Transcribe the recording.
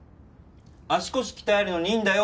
足腰鍛えるのにいいんだよ